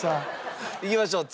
いきましょう。